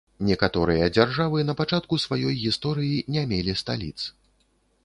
Некаторыя дзяржавы на пачатку сваёй гісторыі не мелі сталіц.